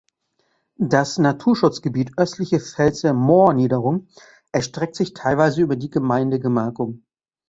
Das Naturschutzgebiet Östliche Pfälzer Moorniederung erstreckt sich teilweise über die Gemeindegemarkung.